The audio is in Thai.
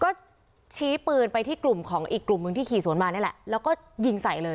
ก็ชี้ปืนไปที่กลุ่มของอีกกลุ่มหนึ่งที่ขี่สวนมานี่แหละแล้วก็ยิงใส่เลย